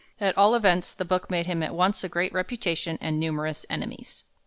At all events, the book made him at once a great reputation and numerous enemies.